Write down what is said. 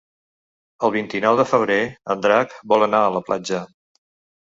El vint-i-nou de febrer en Drac vol anar a la platja.